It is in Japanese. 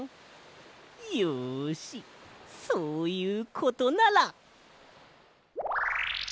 よしそういうことなら。